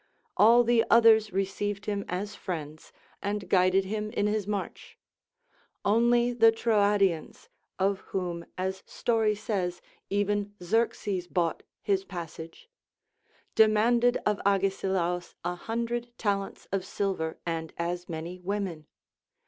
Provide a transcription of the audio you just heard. All the others received him as friends and guided him in his march ; only the Troadians (of whom, as story says, even Xerxes bought his passage) demanded of Agesilaus a hundred talents of silver and as many women.